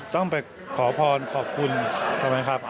ต้องไปขอพรขอบคุณครับ